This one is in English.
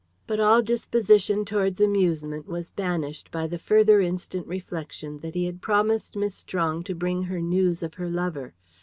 But all disposition towards amusement was banished by the further instant reflection that he had promised Miss Strong to bring her news of her lover.